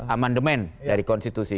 amandemen dari konstitusi